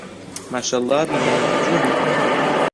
ماشەڵڵا بینایەکی جوانە.